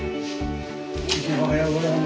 おはようございます。